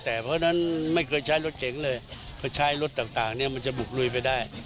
แต่เพราะฉะนั้นไม่เคยใช้รถเก๋งเลยเขาใช้รถต่างเนี่ยมันจะบุกลุยไปได้